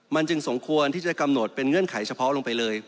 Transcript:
มันจึงสมควรที่จะกำหนดเป็นเงื่อนไขเฉพาะลงไปเลย